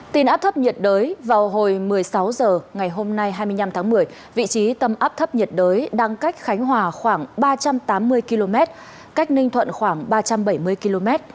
tin áp thấp nhiệt đới vào hồi một mươi sáu h ngày hôm nay hai mươi năm tháng một mươi vị trí tâm áp thấp nhiệt đới đang cách khánh hòa khoảng ba trăm tám mươi km cách ninh thuận khoảng ba trăm bảy mươi km